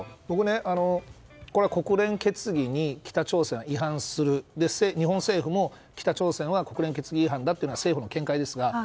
僕、国連決議に北朝鮮が違反する、日本政府も北朝鮮は国連決議違反だというのが政府の見解ですが。